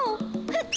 ふっ！